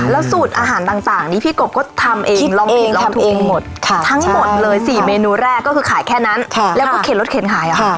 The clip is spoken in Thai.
แล้วสูตรอาหารต่างนี้พี่กบก็ทำเองลองเองทำเองหมดทั้งหมดเลย๔เมนูแรกก็คือขายแค่นั้นแล้วก็เข็นรถเข็นขาย